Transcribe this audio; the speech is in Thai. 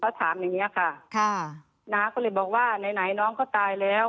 เขาถามอย่างนี้ค่ะน้าก็เลยบอกว่าไหนน้องก็ตายแล้ว